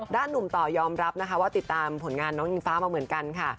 หนุ่มต่อยอมรับนะคะว่าติดตามผลงานน้องอิงฟ้ามาเหมือนกันค่ะ